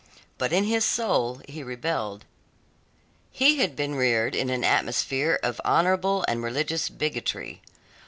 But in his soul he rebelled. He had been reared in an atmosphere of honourable and religious bigotry.